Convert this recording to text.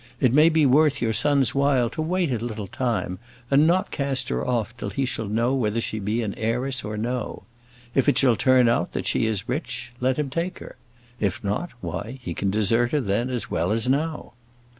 It may be worth your son's while to wait a little time, and not cast her off till he shall know whether she be an heiress or no. If it shall turn out that she is rich, let him take her; if not, why, he can desert her then as well as now."